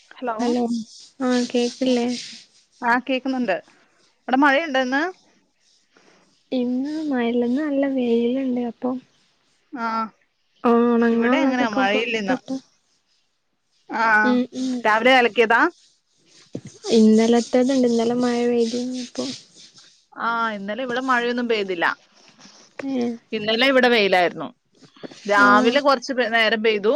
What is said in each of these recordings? [unintelligible] Hello ആഹ കേക്കില്ലേ ആഹ് കേക്കുന്നുണ്ട് ഇവിടെ മഴയുണ്ടന്ന് ഇന്ന് മഴല്ല ഇന്ന് നല്ല വെയിലുണ്ട് അപ്പൊ ആഹ ഓ ഉണങ്ങാനുള്ളതൊക്കെ പൊറത്ത് ഇട്ടോ? ആഹ രാവിലെ എളക്കിയതാ റ്റത്ണ്ട് ഇന്നല മഴ പെയ്തി ഇപ്പൊ ആഹ ഇന്നലെ ഇവിടെ മഴയൊന്നും പെയ്തില്ല ഏഹ് ഇന്നലെ ഇവിടെ വെയിലായിരുന്നു ആഹ് രാവിലെ കൊറച്ച് നെ നേര ത പെയ്തു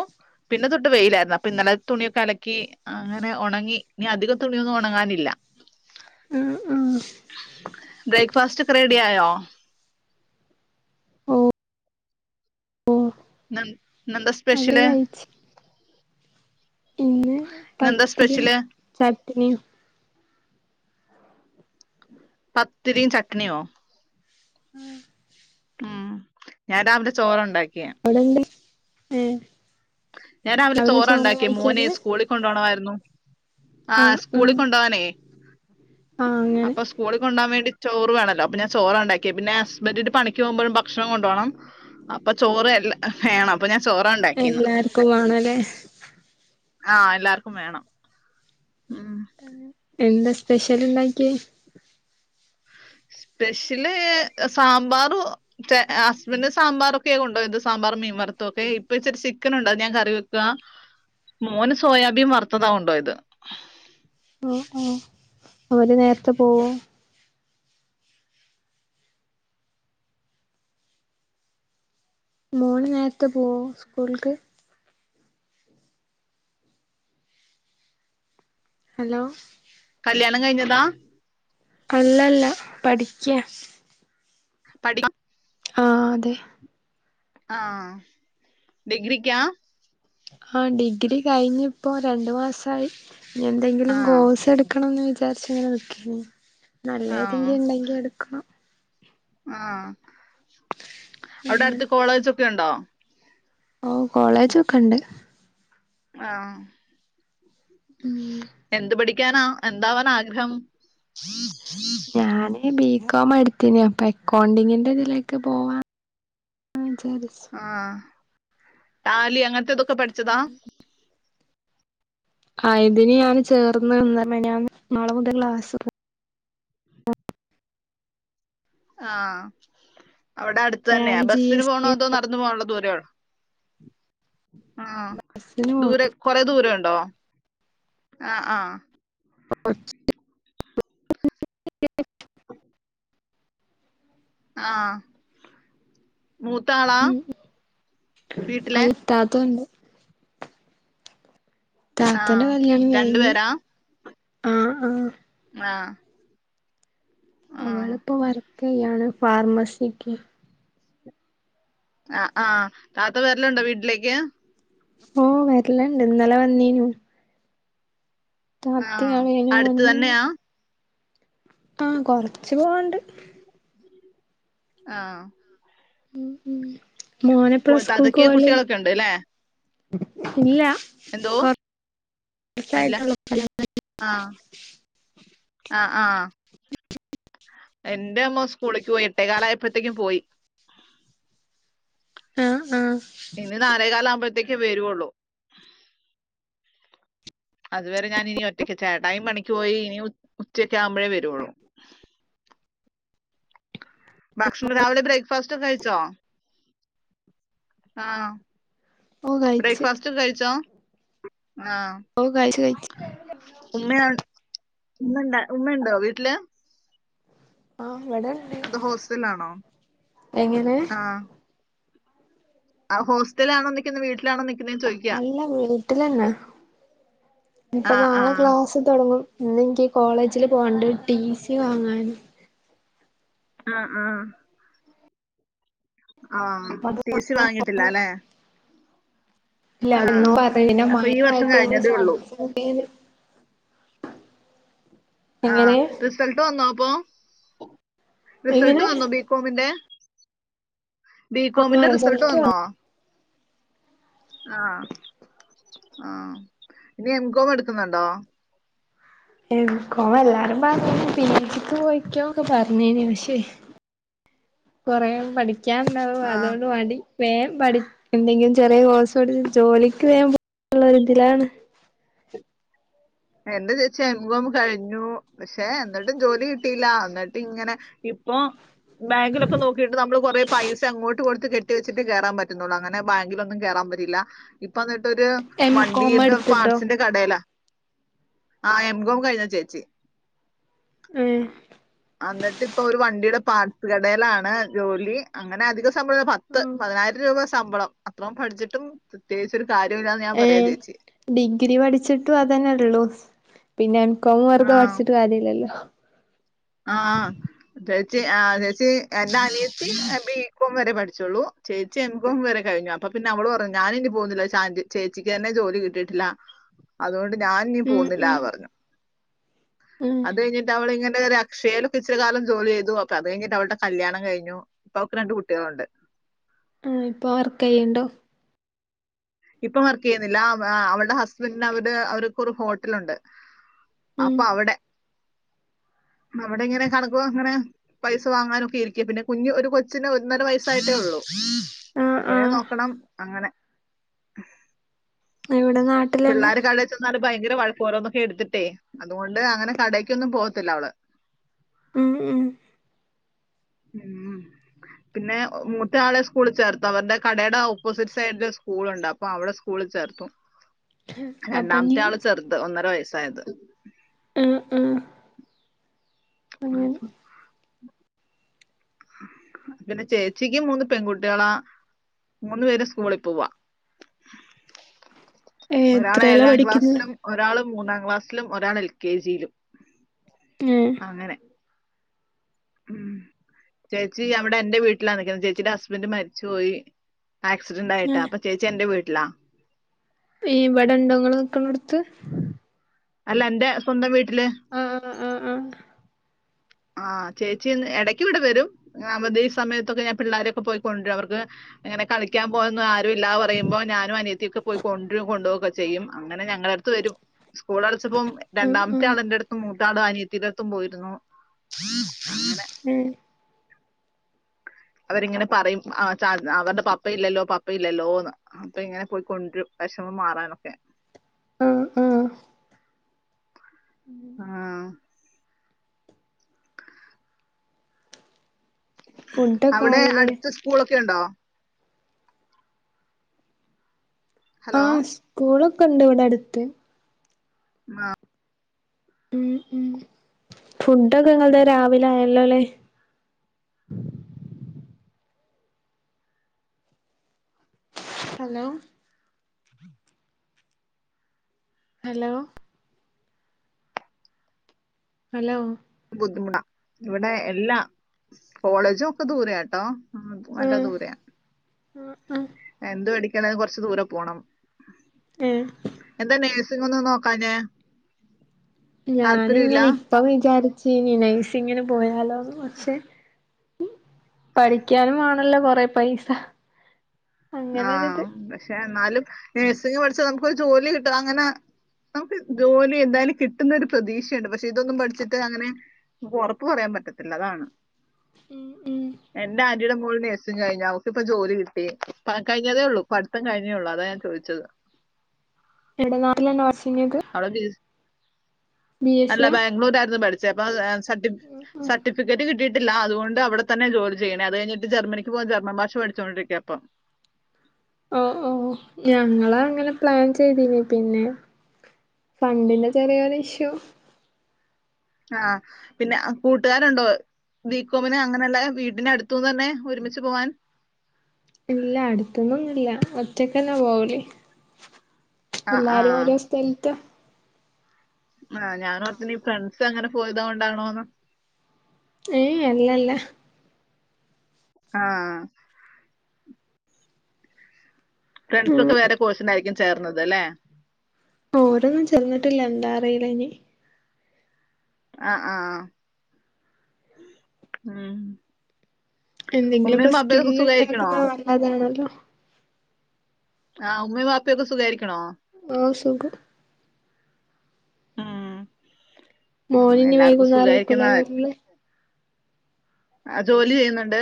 പിന്നെ തൊട്ട് വെയിലായിരുന്നു അപ്പൊ ഇന്നലത്തെ തുണിയൊക്കെ അലക്കി അങ്ങനെ ഉണങ്ങി നി അധിക തുണിയൊന്നും ഉണങ്ങാനില്ല ആ ആഹ് ബേക്ക് ഫസ്റ്റ് ക്രേഡിയ ആയോ ഓ ഓ നന്താ അത് സ്പെഷ്യല് കഴിച്ച് ഇന്ന് ഇന്നെന്താ പത്തിരിയും സ്പെഷ്യല് ചട്ട്നിയും പത്തിരിയും ചട്നിയോ ഉം ഉം ഞാൻ രാവില ചോറ ഉണ്ടാക്കി ക്യാ ഉം ഞാൻ രാവിലെ ചോറണ്ടാക്കി മോനെ സ്കൂളിൽ കണ്ടോണമാ ന്നും ആ ആഹ് സ്കൂളിൽ ആഹ് കൊണ്ടവാനേ ആഹ് അങ്ങനെ അപ്പൊ സ്കൂളി കൊണ്ടആൻ വേണ്ടി ചോറ് വേണല്ലോ അപ്നെ ചോറണ്ടാക്കി പിന്നെ ഹസ്ബൻഡ്ന്റെ പണിക് പോവുമ്പഴും ഭക്ഷണം കൊണ്ടോണം അപ്പൊ ചോറ് എല് ഹെ വേണം അപ്പൊ ഞാൻ ചോറ ണ്ടാക്കിന്ന് ക്ക വാണല്ലേ ആ എല്ലാർക്കും വേണം ഉം എന്താ സ്പെഷ്യൽ ണ്ടാക്കിയെ സ്പെഷ്യല് സാമ്പാറു റ്റെ ഹസ്ബൻന്റ് സാമ്പാറൊക്കെ കൊണ്ടോയത് സാമ്പാറ് മീൻ വറുത്തുക്കെ ഇപ്പൊ ഇച്ചിരി ചിക്കൻ ഉണ്ട ഞാൻ കറി വെക്ക മോന് സോയാബീൻ വറുത്തതാ കൊണ്ടോയത് ഓ ഓ അവര് നേരത്തെ പോവോ മോന്ന് നേരത്തെ പോവോ സ്കൂൾക്ക് ഹലോ ണം കഴിഞ്ഞതാ അല്ലല്ല പഠിക്ക പഠി [inaudible] ആഹ് അതെ ആഹ് ഡിഗ്രിക്കാ ആ ഡിഗ്രി കഴിഞ് ഇപ്പോ രണ്ടു മാസായി എന്തെങ്കിലും ആഹ് ഗോശ എടുക്കണംന്ന് വി [unintelligible] ക്കി നല്ല ഏതെങ്കിലും ണ്ടെങ്കി എടുക്കണം ആ അവിടെ അടുത്ത് കോളേജൊക്കെ യുണ്ടോ ഓ കോളേജൊക്കെ ണ്ട് ആ മ് ഠിക്കാന എന്താവാനാ ആഗ്രഹം ഞാന് ബീ കോം മാ ഇടത്തീന്യേ അപ്പൊ അക്കൗണ്ടിങ്ങിന്റെ ഇതിലേക്ക് പോവാ ആ ടാലി അങ്ങൻത്തെ തൊ ക്കെ പഠിച്ചതാ ആ ഇതിന് ഞാന് ചേർന്ന് ഇന്ന് മിനിയാന്ന് നാളെ മുതൽ ക്ലാസ് തുടങ്ങും ആ അവിടെ അടുത്ത് തന്നെയാ ടാലി ജി ബസ്സിന് എസ് പോണോ ടി അതോ നടന്നു പോകാനുള്ള ദൂ രൊ ആ ക്ലാസ്സിന് പോണം ദൂരെ കൊറെ ദൂരം ഇൻണ്ടോ ആ ആ [unintelligible] [inaudible] [unintelligible] [inaudible] [unintelligible] ആ മൂത്താളാ ഉം വീട്ടിലെ അല്ല ഇത്താത്ത ഉണ്ട് താത്തന്റെ ആഹ്. കല്യാണം രണ്ട് കഴിഞ്ഞ് പേരാ? ആ ആ ആ അവള് ഇപ്പൊ വർ ക്കെയ്യാണ് ഫാർമസി ക്കെ ആ ആ താത്ത വര്ലുണ്ടോ വീട്ടിലേക്ക് ഓ വരല്ണ്ട് ഇന്നലെ വന്നീഞ്ഞു താത്തിം ആഹ്. അളിയനും അടുത്ത് വന്നീഞ്ഞു തന്നെയാ? ആ കൊറച്ച് പോവാണ്ട് ആ മ് മ് മോനപ്പളാ സ്കൂൾക്ക് താത്തക്ക് പോവൽ കുട്ടികളൊക്കെ ഉണ്ട് ല്ലേ? ഇല്ല എന്തോ അല്ല കൊറച്ചായിട്ടുള്ളൂ ആ ആ ആ [unintelligible] എന്റെ അമ്മ സ്കൂളിൽക്ക് പോയി എട്ടേക്കാലായപ്പോത്തേക്കും പോയി ആഹ് ആഹ് ഇനി നാലേകാലാകു മ്പത്തേക്കേ വരൊള്ളു അതുവരെ ഞാൻ ഇനി ഒറ്റക്ക് ചേട്ടായീം പണിക്ക് പോയി ഇനി ഉച്ചക്കാകുമ്പഴേ വരുള്ളൂ ഭക്ഷണം രാവിലെ ബ്രേക്കഫാസ്റ്റോക്കെ കഴിച്ചോ? ആഹ ഓഹ് കഴിച്ച് ബ്രേക്ഫാഫാസ്റ്റൊക്കെ കഴിച്ചോ? [inaudible] ആ ഓഹ് കഴിച്ച് കഴിച്ച് ഉമ്മ [unintelligible] ഉമ്മണ്ട ഉമ്മണ്ടോ വീട്ടില് ആഹ് വടണ്ട് അത് ഹോസ്റ്റലാണോ എങ്ങനെ ആ ആ ഹോസ്റ്റലാണോ നിക്കുന്നേ വീട്ടിലാണോ നിക്കു അല്ല വീട്ടിലന്നെ ഇപ്പ ആ ആ നാളെ ക്ലാസ് തൊടങ്ങും ഇന്ന് ഇൻക്ക് കോളേജില് പോണ്ട് ടീ സി വാങ്ങാന് ആ ആ ആഹ് അപ്പൊ അത് ടീ. സി വാങ്ങിട്ടില്ലല്ലെ ഇല്ല ഈ വർഷം കഴിഞ്ഞതേ ഉള്ളൂ [unintelligible] ആഹ് എങ്ങനെ റിസൾട്ട് വന്നോ പ്പോ റിസൾട്ട് എങ്ങനെ വന്നോ ബിക്കോമിന്റെ ആ ബികോമിന്റെ റിസൾട്ട് വന്നോ? വന്ന് ആഹ് ആ ഇനി എംകോം എട്ക്ക്ന്ന്ണ്ടോ എം കോം എല്ലാരും പറ പി ജി ക്ക് പോയി ക്കൊന്നൊക്കെ പറഞ്ഞീനനി പക്ഷേ കൊറേ പഠി ആ. [unintelligible] മണ്ടി വേൻ പഠി എന്തെങ്കിലും ചെറിയ കോഴ്സ് പഠിച്ച് ജോലിക്ക് വേണ്ടിള്ള തിലാണ് എന്റെ ചേച്ചി എം കോം കഴിഞ്ഞു പക്ഷെ എന്നിട്ടും ജോലി കിട്ടിയില്ല എന്നിട്ട് ഇങ്ങനെ ഇപ്പൊ ബാങ്കിലൊക്കെ നോകീട്ട് നമ്മള് കൊറ പൈസ അങ്ങോട്ട് കൊടുത്ത് കെട്ടി വച്ചിട്ട് കേറൻ പറ്റുന്നുള്ളൂ അങ്ങനെ ബാങ്കിലൊന്നും കേറാൻ പറ്റില്ല ഇപ്പന്ന്ട്ട് പ്പര് എം കോം വണ്ടീടെ എടുത്തിട്ടോ പാർട്സിന്റെ കടേല ആഹ് എംകോം കഴിഞ്ഞ ചേച്ചി മ് അന്നിട്ട്പ്പൊ ഒരു വണ്ടീടെ പാർ്സ് കടയിലാണ് ജോലി അങ്ങനെ അധിക പത്ത് പതിനായിരം രൂപ ശമ്പളം അത്ര പഠിച്ചിട്ടും പ്രത്യേകിച്ചൊരു ഏ ഡിഗ്രി പഠിച്ചിട്ടും അതന്നെ ഉള്ളു പിന്നെ എംകോം വെർതെ ആ. പഠിച്ചിട്ട് കാര്യല്ലല്ലോ ചേ ആ ചേച്ചി എന്റെ അനിയത്തി ബി ക്കോം വരെ പഠിച്ചൊള്ളൂ ചേച്ചി എം കോം വരെ കഴിഞ്ഞു അപ്പൊ പിന്നെ അവള് പറഞ്ഞു ഞാനിനി പോവുന്നില്ല ശാ ചേച്ചിക്കെന്നെ ജോലി കിട്ടിട്ടില്ല അതൊണ്ട് ഞാനിനി ഉം പോവുന്നില്ല ഉം പറഞ്ഞു ഉം അത് കഴിഞ്ഞിട്ടവളിങ്ങനൊഅ അക്ഷയേലൊക്കെ ഇച്ചരി കാലം ജോലി ചെയ്തു അപ്പൊ അത് കഴിഞ്ഞിട്ട് അവളുടെ കല്യാണം കഴിഞ്ഞു ഇപ്പം അവൾക്ക് രണ്ട് കുട്ട്യേൾണ്ട് ആ ഇപ്പൊ വർക്കെയ്യ്ണ്ടോ ഇപ്പം വർക്കെയ്യിന്നില്ല അ് അവള്ടെ ഹസ്ബൻഡന് അവടെ അവര് ക്കൊരു ഹോട്ടലുണ്ട് ഉം അപ്പൊ അവിടെ അവടെ ങ്ങനെ കണക്കോ ങ്ങനെ പൈസ വാങ്ങാനൊക്കെ ഇരിക്ക പിന്നെ കുഞ്ഞ് ഒരു കൊച്ചിന് ഒന്നര വയസ്സായിട്ടേ ഉള്ളു ആ ആ കുഞ്ഞിനെ നോക്കണം അങ്ങനെ ഇവിടെ നാട്ടിലെന്നെ പിള്ളേര് കടയിൽ ചെന്നാല് ഭയങ്കര വഴക്ക് പറി ഓരോന്നൊക്കെ ട്ത്തിട്ടേ അതുകൊണ്ട് അങ്ങനെ കടേക്കൊന്നും പോവത്തില്ല വള് ഉം ഉം ഉം പിന്നെ മൂത്തയാളെ സ്കൂളി ചേർത്തു അവര്ടെ കടെടെ ഓപ്പോസിറ്റ് സൈഡില് സ്കൂൾണ്ട് അപ്പൊ അവളെ സ്കൂളിൽ ചേർത്തു അപ്പൊ രണ്ടാമത്തെ ഇനി ആള് ചെറ്ത് ഒന്നര വയസ്സ് സായത് അ ആ അങ്ങനെ പിന്നെ ചേച്ചിക്ക് മൂന്ന് പെൺകുട്ട്യാളാ മൂന്നു പേരും സ്കൂളിൽ പോവാ ഒരാള് എത്രേലാ എഴാം പഠിക്കുന്നെ ക്ലാസ്സിലും ഒരാൾ മൂന്നാം ക്ലാസ്സിലും ഒരാൾ എൽ കെ ജിയിലും ഏ അങ്ങനെ ഉം ചേച്ചി അവിടെ എന്റെ വീട്ടിലാ നിക്കുന്ന ചേച്ചിന്റെ ഹസ്ബൻഡ് മരിച്ചു പോയി ആക്സിഡൻ്റായിട്ടാ അപ്പൊ ചേച്ചി എന്റെ വീ ലാ ഇവിടണ്ടോ ഇങ്ങള് നിക്ക്ണോട്ത്ത് അല്ല എന്റെ സ്വന്തം വീ ആ ആ ആ ആ ആ ചേച്ചി എടയ്ക്ക് ഇവിടെ വരും അവധി സമയത്തൊക്കെ ഞാൻ പിള്ളാരെയൊക്കെ പോയി കൊൻര്രും അവർക്ക് അങ്ങനെ കളിക്കാൻ പവാൻ ഒന്നും ആ രുല്ലാന്ന് പറയുമ്പോ ഞാനും അനിയത്തിയൊക്കെ പോയി കൊൻരും കൊണ്ടോവോക്കെ ചെയ്യും അങ്ങനെ ഞങ്ങളട്ത്ത് വരും സ്കൂൾ അടച്ചപ്പോം ഉം ഉം രണ്ടാമത്തെ ആളെന്റെ ട്ത്തും മൂ ത്താട് അനിയത്തിൻ്റട്ത്തും പോയിരുന്നു [inaudible] അങ്ങനെ ഉം അവരിങ്ങനെ പറയും അവരുടെ പപ്പ ഇല്ലല്ലോ പപ്പ ഇല്ലല്ലോന്ന് അപ്പ ഇങ്ങനെ പോയിക്കൊണ്ടുവരും വിഷമം മാറാനൊക്കെ ആ ആ ഉം ആ.. ഫുഡക്കായല്ലേ ഒക്കണ്ടോ ഹലോ ആസ്കൂൾ ഉണ്ട് ഇവിടെ അടുത്ത് ആഹ ഉ ഉ ഫുഡൊക്കെ നിങ്ങള രാവിലെ ആയല്ലോല്ലേ ഹലോ ഹലോ ഹലോ ബുദ്ധിമുട്ട ഇവിടെ എല്ലാ കോളേജും ഒക്കെ ദൂരെയ കേട്ടോ ആ നല്ല ഉം ദൂരെയ ആ ആ എന്ത് പടി കുറച്ച് ദൂരെ പോകണം ഏ എന്തന്നെ ങ്ങൊന്ന് നോക്കാനേ ഞാനിങ്ങനെ ഇപ്പ വിചാരിച് ചീനി നൈസ്ങ്ങനെ പോയാലോന്നു പഠിക്കാനും ആണല്ലോ കൊറെ പൈസ ആഹ അങ്ങനൊരിത് പക്ഷെ എന്നാലും നഴ്സിംഗ പഠിച്ചാൽ നമുക്ക്രു ജോലി കിട്ടും അങ്ങനെ നമുക്ക് ജോലി എന്തായാലും കിട്ടുന്നരു പ്രതീക്ഷയുണ്ട് പക്ഷെ ഇതൊന്നും പഠിച്ചിട്ട് അങ്ങനെ ഉറപ്പ് പറയാൻ പറ്റത്തില്ല അതാണ് ഉം ഉം എന്റെ ആന്റീുടെ മോളു നഴ്സിംഗ് കഴിഞ്ഞു അവുക്ക് ഇപ്പോ ജോലി കിട്ടി കഴിഞ്ഞതേ ഉള്ളൂ പഠിത്തം കഴിഞ്ഞേ ഉള്ളൂ അതാണ് ഞാൻ ചോദിച്ചത് എവിടെ നാട്ടിലന്ന വച്ചങ്ങിയത് അവളെ ബി- അല്ല ബാംഗ്ലൂര ആായിരുന്നു പഠിച്ച ചിലപ്പമാ സർഫ സർട്ടിഫിക്കേറ്റ് കിട്ടിയി ില്ല അതുകൊണ്ട് അവിടെ തന്നെ ജോലി ചെയ്യണ അത് കഴിഞ്ഞിട്ട് ജർമ്മനിക്ക് പോവാൻ ജർമ്മൻ ഭാഷ പഠിച്ചുകൊണ്ടിരിക്കയ അപ്പം ഉ [unintelligible] ഓ ഓ ഞങ്ങ അങ്ങനെ പ്ലാൻ ചെയ്തിന് പിന്നെ ഫണ്ടിന്റെ ചെറിയൊരു ഇഷ്യു ആഹ് പിന്നെ കൂട്ടുകാരുണ്ടോ ബീക്കോമിന് അങ്ങനല്ലാതെ വീട്ടിന് അടുത്തുന്നെന്നെ ഒരുമിച്ച് പോവാൻ ഇല്ല അടുത്തൊന്നും ഇല്ല ഒറ്റക്കെന്നെ പോവല് ആഹ് എല്ലാരും ആഹ് ഓരോ സ്ഥല്ത്ത ആ ഞാനോർത്ത് നീ ഫ്രണ്ട്സ് അങ്ങനെ പോയത് കൊണ്ടാണോന്ന് ഏയേ അല്ലല്ല ആഹ് ഉം ഫ്രണ്ട്സൊക്കെ വേറെ കോഴ്സിനായിരിക്കും ചേർന്നത് ലേ ഓരൊന്നും ചേർന്നിട്ടില്ല ന്താ അറീല നി ആ ആഹ് ഉം എന്തെങ്കിലൊക്കെ ഉമ്മയും ബാപ്പയൊക്കെ സ്കില്ല് സുഖായിരിക്കണോ? ണ്ടാക്കുന്നത് നല്ലതാണല്ലോ ആഹ് ഉമ്മീം വാപ്പിയോക്കെ സുഖായിരി ഓഹ് സുഖം ഉംഹ് മോനി നി വൈകുന്നേരേകുലെ വരൽ അ ജോലി ചെയ്യുന്നുണ്ട്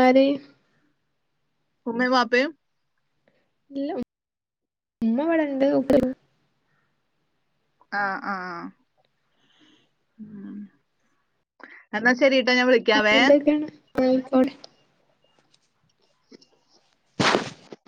ആര് ഉമ്മേം വാപ്പേം ഇല്ല ഉമ്മ വടെണ്ട് പ്പയും ആ ആഹ് ഉം എന്നാ ശരി ന്നാഞൻ വിളിക്കാവേ അയ്ക്കോട്ടെ